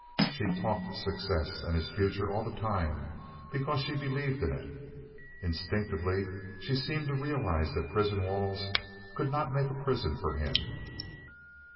She talked success and his future all the time because she believed in it. Instinctively she seemed to realize that prison walls could not make a prison for him.